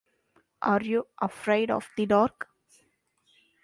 Are You Afraid of the Dark?